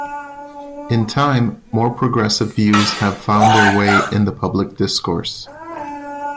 In time, more progressive views have found their way in the public discourse.